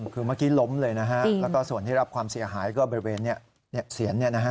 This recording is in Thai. คือเมื่อกี้ล้มเลยนะฮะแล้วก็ส่วนที่รับความเสียหายก็บริเวณเสียน